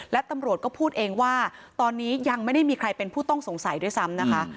และตำรวจก็พูดเองว่าตอนนี้ยังไม่ได้มีใครเป็นผู้ต้องสงสัยด้วยซ้ำนะคะ